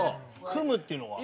組むっていうのは？